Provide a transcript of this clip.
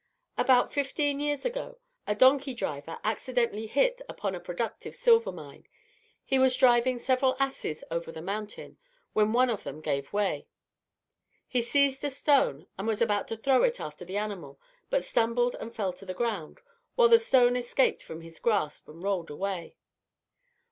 About fifteen years ago, a donkey driver accidentally hit upon a productive silver mine. He was driving several asses over the mountain, when one of them ran away. He seized a stone, and was about to throw it after the animal, but stumbled and fell to the ground, while the stone escaped from his grasp, and rolled away.